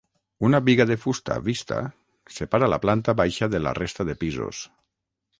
Una biga de fusta vista separa la planta baixa de la resta de pisos.